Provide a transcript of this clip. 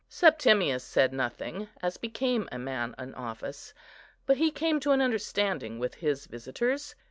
Septimius said nothing, as became a man in office; but he came to an understanding with his visitors.